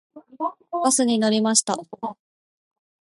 バスに乗りました。